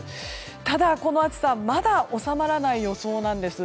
ただ、この暑さまだ収まらない予想なんです。